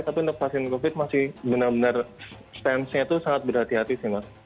tapi untuk vaksin covid sembilan belas masih benar benar stans nya itu sangat berhati hati sih mas